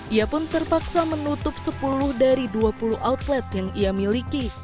ia pun terpaksa menutup sepuluh dari dua puluh outlet yang ia miliki